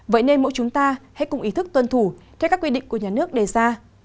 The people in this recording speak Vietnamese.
vậy nên mỗi chúng ta hãy cùng ý thức tuân thủ theo các quy định của nhà nước đề ra